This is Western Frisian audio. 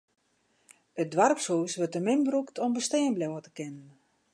It doarpshûs wurdt te min brûkt om bestean bliuwe te kinnen.